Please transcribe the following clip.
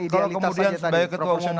sebagai ketua umum